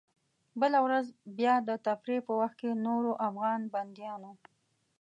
بله ورځ بیا د تفریح په وخت کې نورو افغان بندیانو.